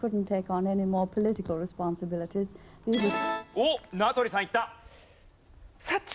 おっ名取さんいった。